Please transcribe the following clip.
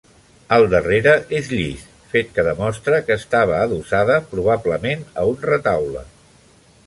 El darrere és llis, fet que demostra que estava adossada, probablement a un retaule.